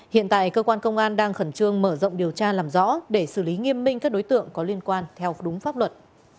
hiện tại cơ quan công an đang khẩn trương mở rộng điều tra làm rõ để xử lý nghiêm minh các đối tượng có liên quan theo đúng pháp luật